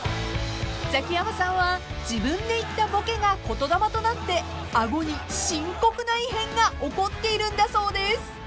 ［ザキヤマさんは自分で言ったボケが言霊となって顎に深刻な異変が起こっているんだそうです］